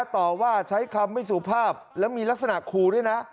ต่อว่าใช้คำไม่สุภาพแล้วมีลักษณะขู่ด้วยนะ